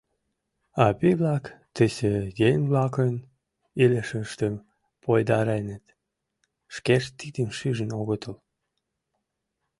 А пий-влак тысе еҥ-влакын илышыштым пойдареныт, шкешт тидым шижын огытыл.